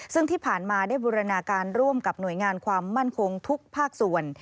ซึ่งที่ผ่านมาได้บูรณาการร่วมกับหน่วยงานความมั่นคงทุกภาคส่วน